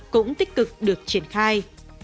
cũng tích cực được triển khai